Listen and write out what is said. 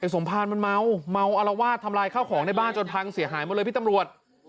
สมภารมันเมาเมาอารวาสทำลายข้าวของในบ้านจนพังเสียหายหมดเลยพี่ตำรวจ